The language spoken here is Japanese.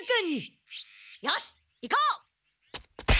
よし行こう！